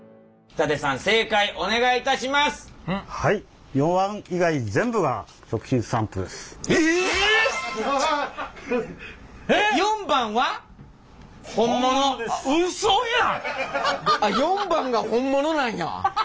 あっ４番が本物なんや。